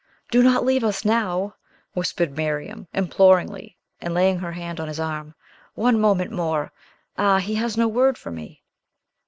"Do not leave us now!" whispered Miriam imploringly, and laying her hand on his arm. "One moment more! Ah; he has no word for me!"